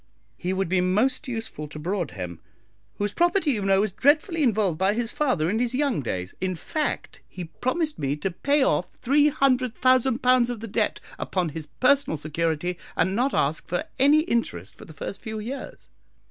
He would be most useful to Broadhem, whose property, you know, was dreadfully involved by his father in his young days in fact, he promised me to pay off £300,000 of the debt upon his personal security, and not ask for any interest for the first few years.